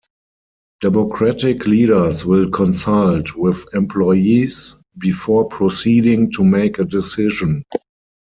Democratic leaders will consult with employees before proceeding to make a decision.